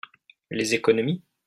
Les économies?